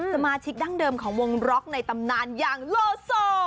สมาชิกดั้งเดิมของวงล็อกในตำนานอย่างโลโซ